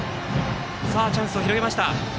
チャンスを広げました。